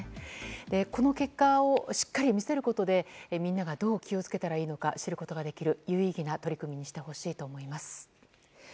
この結果をしっかり見せることでみんながどう気を付けたらいいか知ることができる有意義な取り組みにしてほしいと思います。